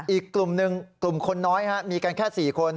อีกกลุ่มหนึ่งกลุ่มคนน้อยมีกันแค่๔คน